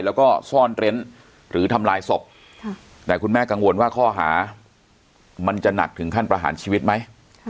แล้วก็ซ่อนเร้นหรือทำลายศพแต่คุณแม่กังวลว่าข้อหามันจะหนักถึงขั้นประหารชีวิตไหม